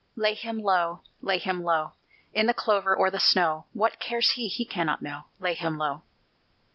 Lay him low, lay him low, In the clover or the snow! What cares he? he cannot know: Lay him low!